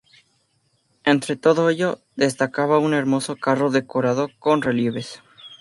Entre todo ello, destacaba un hermoso carro decorado con relieves.